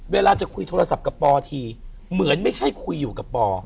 เวลาจะคุยโทรศัพท์กับปอทีเหมือนไม่ใช่คุยอยู่กับปอ